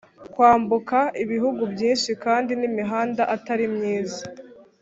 kwambuka ibihugu byinshi kandi n'imihanda atari myiza.